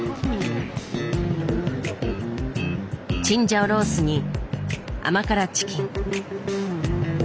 チンジャオロースーに甘辛チキン。